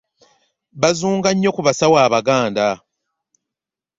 Bazunga nnyo ku basawo abaganda.